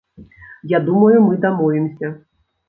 Я думаю, мы дамовімся.